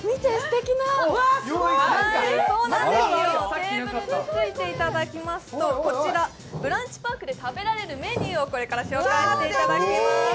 テーブルについていただきますとブランチパークで食べられるメニューをこれから紹介していただきます。